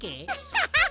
ウハハハ！